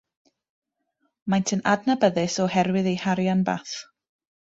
Maent yn adnabyddus oherwydd eu harian bath.